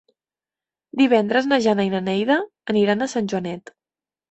Divendres na Jana i na Neida aniran a Sant Joanet.